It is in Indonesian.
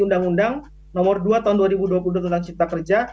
undang undang nomor dua tahun dua ribu dua puluh dua tentang cipta kerja